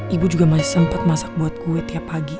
ibu juga masih sempat masak buat kue tiap pagi